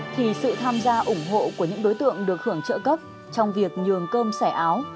thì sự tham gia ủng hộ của những đối tượng được hưởng trợ cấp trong việc nhường cơm xẻ áo